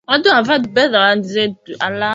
Yeye anapenda raha sana